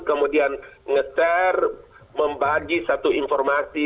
kemudian nge share membagi satu informasi